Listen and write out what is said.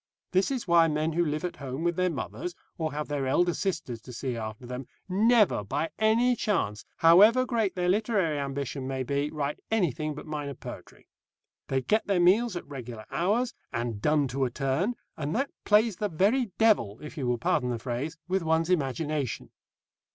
This is why men who live at home with their mothers, or have their elder sisters to see after them, never, by any chance, however great their literary ambition may be, write anything but minor poetry. They get their meals at regular hours, and done to a turn, and that plays the very devil if you will pardon the phrase with one's imagination.